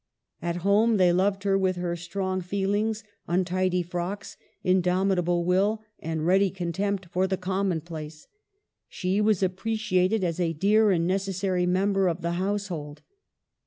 At home they loved her with her strong feelings, untidy frocks, indomitable will, and ready contempt for the common place ; she was appreciated as a dear and necessary member of the household.